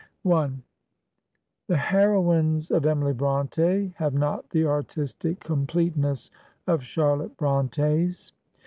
The heroines of Emily BrontS have not the artistic completeness of Charlotte Bronte's.